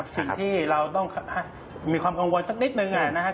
สิ่งที่เราต้องมีความกังวลสักนิดนึงนะครับ